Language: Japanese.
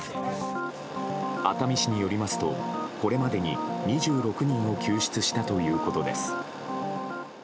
熱海市によりますとこれまでに２６人を救出したということです。